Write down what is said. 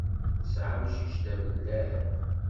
Nesεa amcic d amellal.